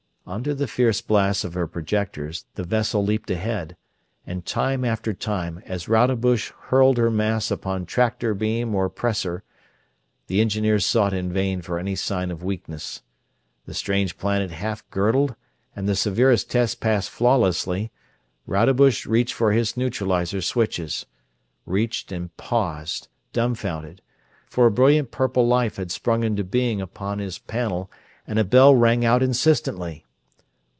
Under the fierce blast of her projectors the vessel leaped ahead, and time after time, as Rodebush hurled her mass upon tractor beam or pressor, the engineers sought in vain for any sign of weakness. The strange planet half girdled and the severest tests passed flawlessly, Rodebush reached for his neutralizer switches. Reached and paused, dumfounded, for a brilliant purple light had sprung into being upon his panel and a bell rang out insistently.